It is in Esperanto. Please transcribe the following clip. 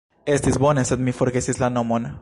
Estis bone, sed mi forgesis la nomon